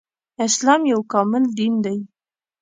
اسلام يو کامل دين دی